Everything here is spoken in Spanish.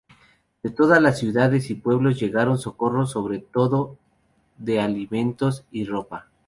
De todas las ciudades y pueblos llegaron socorros, sobre todo de alimentos y ropa.